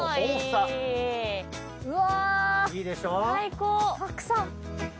たくさん！